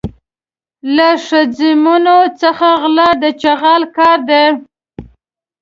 له ښځمنو څخه غلا د چغال کار دی.